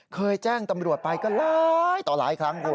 เคยแจ้งตำรวจไปก็หลายต่อหลายครั้งคุณ